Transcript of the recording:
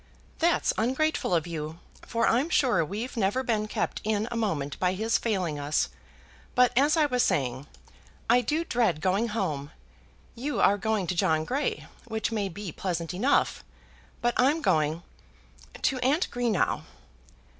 "That's ungrateful of you, for I'm sure we've never been kept in a moment by his failing us. But as I was saying, I do dread going home. You are going to John Grey, which may be pleasant enough; but I'm going to Aunt Greenow."